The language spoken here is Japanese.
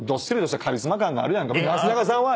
なすなかさんは。